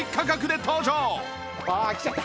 ああきちゃった。